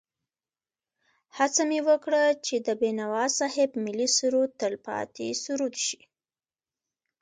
هڅه مې وکړه چې د بېنوا صاحب ملي سرود تل پاتې سرود شي.